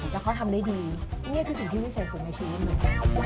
แล้วเขาทำได้ดีนี่คือสิ่งที่วิเศษสุดในชีวิตเลย